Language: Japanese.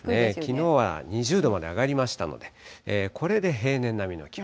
きのうは２０度まで上がりましたので、これで平年並みの気温。